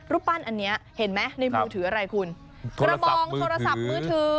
รูปปั้นอันเนี้ยเห็นไหมในมือถืออะไรคุณโทรศัพท์มือถือ